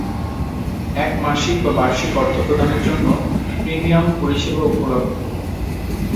এক মাসিক বা বার্ষিক অর্থ প্রদানের জন্য প্রিমিয়াম পরিষেবা উপলব্ধ।